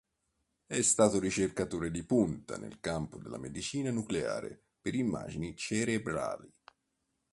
È stato ricercatore di punta nel campo della medicina nucleare per immagini cerebrali.